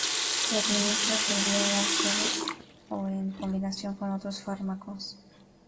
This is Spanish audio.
Se administra por vía oral solo o en combinación con otros fármacos.